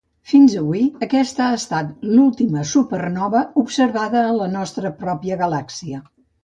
Fins avui, aquesta ha estat l'última supernova observada en la nostra pròpia galàxia.